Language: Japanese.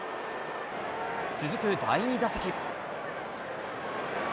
続く第２打席。